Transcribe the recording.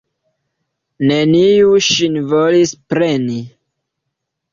Neniu ŝin volis preni.